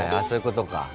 そういうことか。